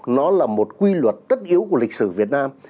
nó là một quy luật tất yếu của lịch sử việt nam